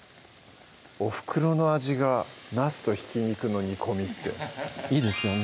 おふくろの味が「なすと挽き肉の煮込み」っていいですよね